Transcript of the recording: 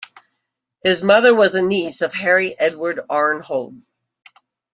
His mother was a niece of Harry Edward Arnhold.